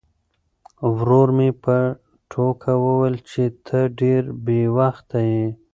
ورور مې په ټوکه وویل چې ته ډېر بې وخته یې.